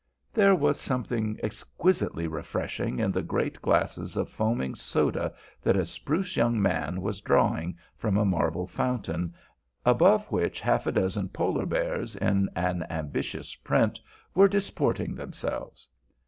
There was something exquisitely refreshing in the great glasses of foaming soda that a spruce young man was drawing from a marble fountain, above which half a dozen polar bears in an ambitious print were disporting themselves.